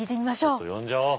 ちょっと呼んじゃおう。